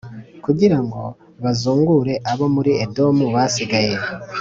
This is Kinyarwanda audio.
kugira ngo bazungure abo muri Edomu basigaye